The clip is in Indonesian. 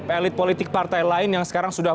elit politik partai lain yang sekarang sudah